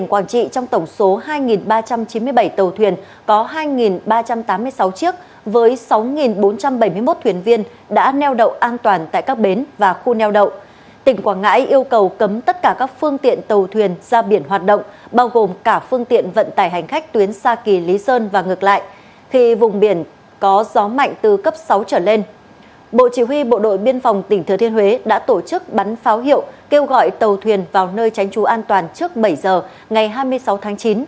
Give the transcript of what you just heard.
bộ chỉ huy bộ đội biên phòng tỉnh thừa thiên huế đã tổ chức bắn pháo hiệu kêu gọi tàu thuyền vào nơi tránh trú an toàn trước bảy h ngày hai mươi sáu tháng chín